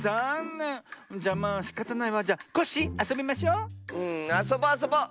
うんあそぼうあそぼう！